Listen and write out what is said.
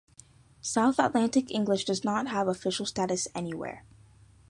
South Atlantic English does not have official status anywhere.